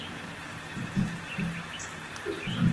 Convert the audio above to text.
中国人民解放军上将。